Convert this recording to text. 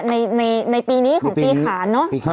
ในปีนี้ของปีขานเนอะ